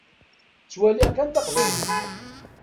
Ttwaliɣ kan taqbaylit.